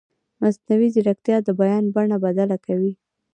مصنوعي ځیرکتیا د بیان بڼه بدله کوي.